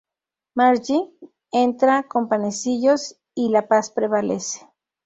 Marge entra con panecillos y la paz prevalece.